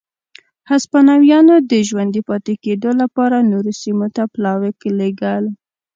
هسپانویانو د ژوندي پاتې کېدو لپاره نورو سیمو ته پلاوي لېږل.